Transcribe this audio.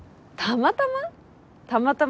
たまたま？